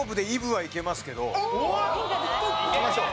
いきましょう。